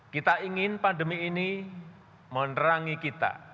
kita ingin pandemi ini menerangi kita